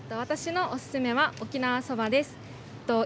私のおすすめは沖縄そばです。